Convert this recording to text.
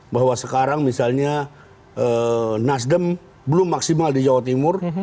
bahwa sekarang misalnya nasdem belum maksimal di jawa timur